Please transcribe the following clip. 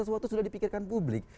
sesuatu sudah dipikirkan publik